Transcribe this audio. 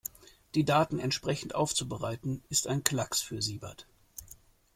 Die Daten entsprechend aufzubereiten, ist ein Klacks für Siebert.